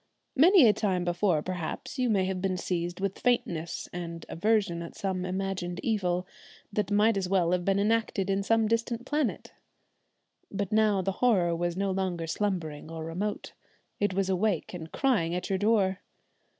Many a time before, perhaps, you may have been seized with faintness and aversion at some imagined evil, that might as well have been enacted in some distant planet. But now the horror was no longer slumbering or remote; it was awake and crying at your door.